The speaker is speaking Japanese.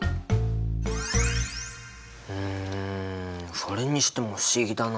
うんそれにしても不思議だな。